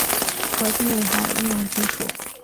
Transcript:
核心内涵应用技术